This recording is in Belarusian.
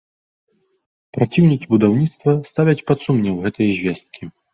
Праціўнікі будаўніцтва ставяць пад сумнеў гэтыя звесткі.